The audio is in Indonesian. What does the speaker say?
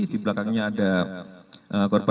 di belakangnya ada korban